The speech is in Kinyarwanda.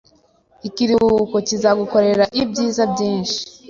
Ikiruhuko kizagukorera ibyiza byinshi